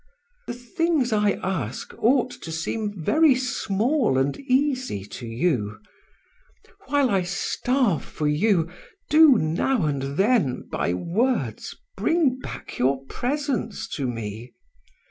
The things I ask ought to seem very small and easy to you. While I starve for you, do, now and then, by words, bring back your presence to me!